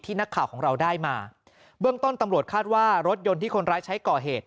นักข่าวของเราได้มาเบื้องต้นตำรวจคาดว่ารถยนต์ที่คนร้ายใช้ก่อเหตุ